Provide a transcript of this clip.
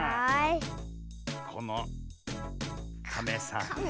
このカメさんと。